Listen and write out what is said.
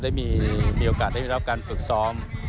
ได้มีโอกาสได้รับการฝึกซ้อม